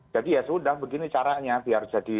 jadi ya sudah begini caranya